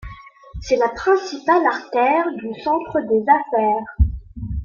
C'est la principale artère du centre des affaires.